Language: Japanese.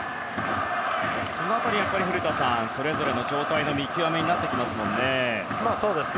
その辺り、古田さんそれぞれの状態の見極めになってきますね。